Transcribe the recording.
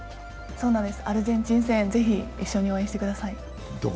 アルゼンチン戦、ぜひ、一緒に応援してください。